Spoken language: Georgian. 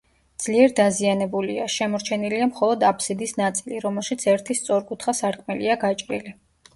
ძლიერ დაზიანებულია: შემორჩენილია მხოლოდ აბსიდის ნაწილი, რომელშიც ერთი სწორკუთხა სარკმელია გაჭრილი.